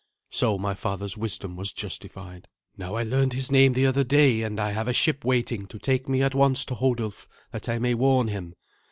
So my father's wisdom was justified. "Now I learned his name the other day; and I have a ship waiting to take me at once to Hodulf, that I may warn him.